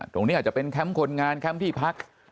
ตรงนี้อาจจะเป็นแคมป์คนงานแคมป์ที่พัก